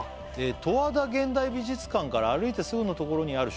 「十和田現代美術館から歩いてすぐのところにある」